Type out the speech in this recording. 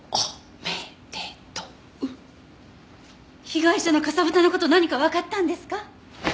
被害者のかさぶたの事何かわかったんですか？